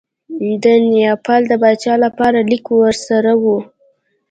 د نیپال د پاچا لپاره لیک ورسره وو.